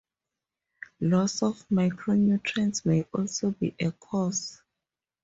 Loss of micronutrients may also be a cause.